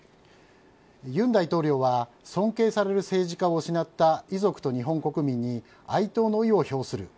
尹大統領は尊敬される政治家を失った遺族と日本国民に哀悼の意を表する。